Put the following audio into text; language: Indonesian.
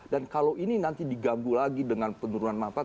dan kalau ini nanti digambu lagi dengan penurunan manfaat